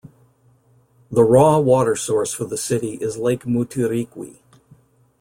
The raw water source for the city is Lake Mutirikwi.